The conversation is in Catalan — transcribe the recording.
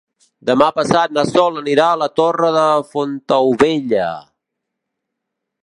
Demà passat na Sol anirà a la Torre de Fontaubella.